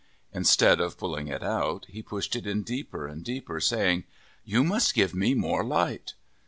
Instead of pulling it out, he pushed it in deeper and deeper, saying, " You must give me more light."